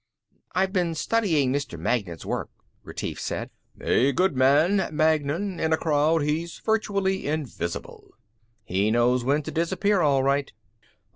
"I've been studying Mr. Magnan's work," Retief said. "A good man, Magnan. In a crowd, he's virtually invisible." "He knows when to disappear all right."